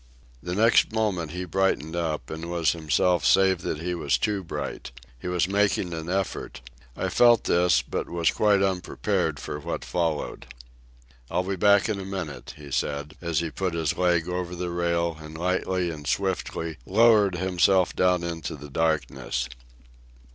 The next moment he brightened up, and was himself save that he was too bright. He was making an effort. I felt this, but was quite unprepared for what followed. "I'll be back in a minute," he said, as he put his leg over the rail and lightly and swiftly lowered himself down into the darkness.